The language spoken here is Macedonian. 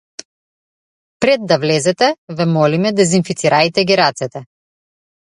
„Пред да влезете ве молиме дезинфицирајте ги рацете“